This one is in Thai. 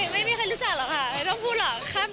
ไม่มีใครรู้จักหรอกค่ะไม่ต้องพูดหรอก